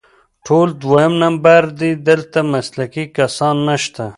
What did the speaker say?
ټول دویم نمبر دي، دلته مسلکي کسان نشته